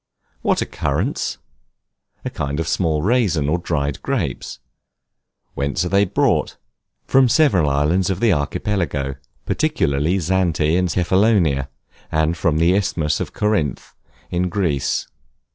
What are Currants? A kind of small raisins or dried grapes. Whence are they brought? From several islands of the Archipelago, particularly Zante and Cephalonia; and from the Isthmus of Corinth, in Greece.